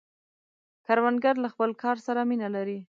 کروندګر له خپل کار سره مینه لري